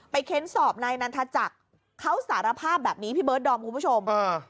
เค้นสอบนายนันทจักรเขาสารภาพแบบนี้พี่เบิร์ดดอมคุณผู้ชม